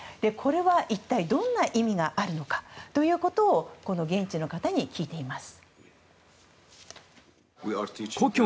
一体どんな意味があるのかということをこの現地の方に聞いてみます。